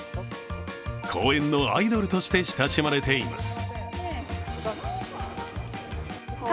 公園のアイドルとして親しまれています。